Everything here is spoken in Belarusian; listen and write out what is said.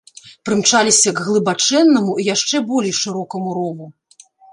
Прымчаліся к глыбачэннаму і яшчэ болей шырокаму рову.